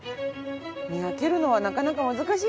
見分けるのはなかなか難しいですね。